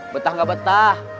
betah gak betah